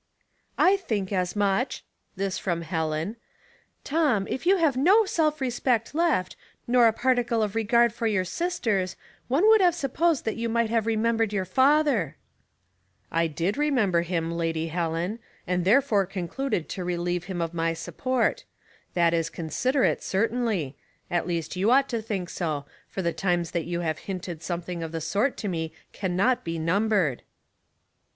"1 think as much!" This from Helen. ^^Tom, if you have no self respect left, nor a partiv\e of regard for your sisters, one would have supposed that you might have remembered your father. '" I did remember him, Lady Helen, and th»j©« 118 Household Puzzles, fore concluded to relieve him of my support. That is considerate, certainly ; at least you ought to think so, for the times that you have hinted something of the sort to me can not be num bered."